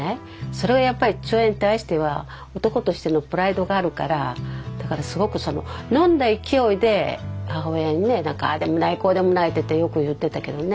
それをやっぱり父親に対しては男としてのプライドがあるからだからすごくその飲んだ勢いで母親にねなんか「ああでもないこうでもない」っていってよく言っていたけどね。